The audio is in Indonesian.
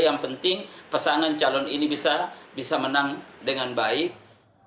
yang penting pasangan calon ini bisa menang dengan baik